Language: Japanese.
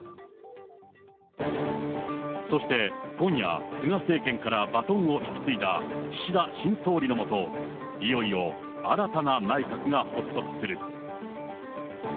そして今夜、菅政権からバトンを引き継いだ岸田新総理の下、いよいよ新たな内閣が発足する。